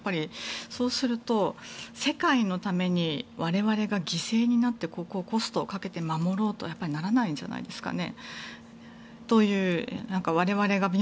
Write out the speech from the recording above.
そうすると、世界のために我々が犠牲になってここをコストをかけて守ろうとはならないんじゃないですかね。